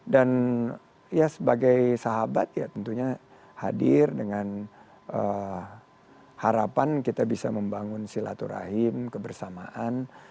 dan sebagai sahabat tentunya hadir dengan harapan kita bisa membangun silaturahim kebersamaan